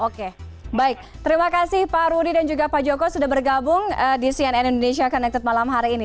oke baik terima kasih pak rudi dan juga pak joko sudah bergabung di cnn indonesia connected malam hari ini